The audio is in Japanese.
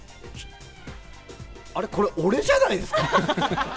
あれ、これ俺じゃないですか？